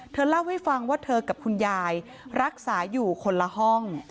เธอเล่าให้ฟังว่าเธอกับคุณยายรักษาอยู่คนละห้อง